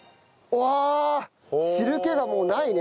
おお汁気がもうないね。